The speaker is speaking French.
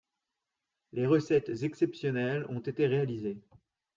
Les recettes exceptionnelles ont été réalisées